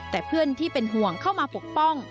แต่เพื่อนที่เป็นห่วงเข้ามาปกป้อง